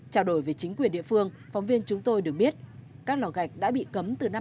trả đổi với chính quyền địa phương phóng viên chúng tôi được biết các lo gạch đã bị cấm từ năm hai nghìn một mươi sáu